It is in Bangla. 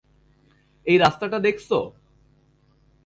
এই রাস্তাটা দেখছ?